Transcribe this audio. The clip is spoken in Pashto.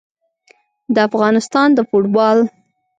د افغانستان د فوټبال